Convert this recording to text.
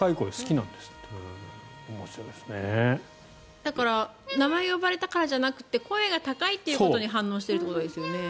だから名前を呼ばれたからじゃなくて声が高いということに反応しているということですよね。